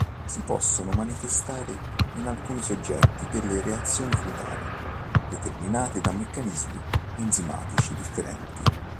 Si possono manifestare in alcuni soggetti delle reazioni cutanee, determinate da meccanismi enzimatici differenti.